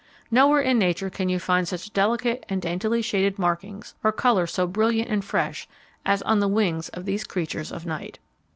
Nowhere in nature can you find such delicate and daintily shaded markings or colours so brilliant and fresh as on the wings of these creatures of night.